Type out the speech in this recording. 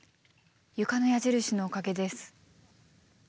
床の矢印のおかげです。